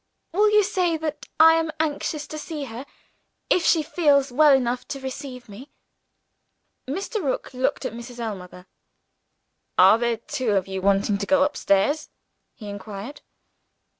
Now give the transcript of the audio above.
"Will you say that I am anxious to see her, if she feels well enough to receive me?" Mr. Rook looked at Mrs. Ellmother. "Are there two of you wanting to go upstairs?" he inquired.